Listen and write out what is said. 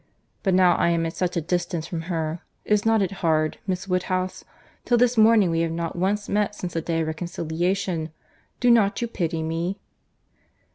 —But now, I am at such a distance from her—is not it hard, Miss Woodhouse?—Till this morning, we have not once met since the day of reconciliation. Do not you pity me?"